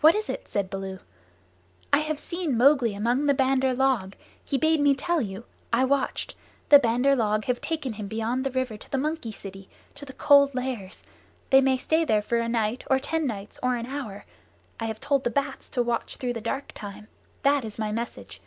"What is it?" said Baloo. "I have seen Mowgli among the Bandar log. He bade me tell you. I watched. The Bandar log have taken him beyond the river to the monkey city to the Cold Lairs. They may stay there for a night, or ten nights, or an hour. I have told the bats to watch through the dark time. That is my message.